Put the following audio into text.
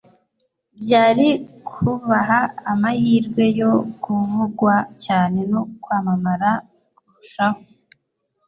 byari kubaha amahirwe yo kuvugwa cyane no kwamamara kurushaho